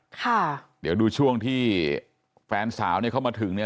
ค่ะเดี๋ยวดูช่วงที่แฟนสาวเนี่ยเข้ามาถึงเนี่ย